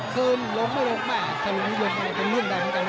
คืนลงหรือลงไปถ้าลงงก็นิ่มแบบจนลง